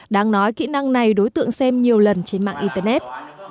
đáng nói kỹ năng này đối tượng xem nhiều lần trên mạng internet